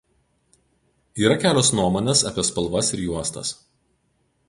Yra kelios nuomonės apie spalvas ir juostas.